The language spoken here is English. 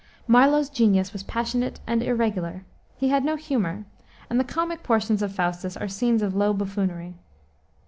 Marlowe's genius was passionate and irregular. He had no humor, and the comic portions of Faustus are scenes of low buffoonery.